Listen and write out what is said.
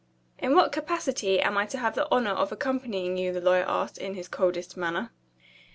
"In what capacity am I to have the honor of accompanying you?" the lawyer asked, in his coldest manner.